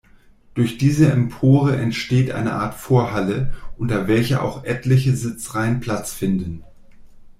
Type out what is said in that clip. Durch diese Empore entsteht eine Art Vorhalle, unter welcher auch etliche Sitzreihen Platz finden.